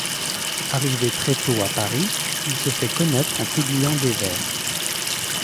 Arrivé très tôt à Paris, il se fait connaître en publiant des vers.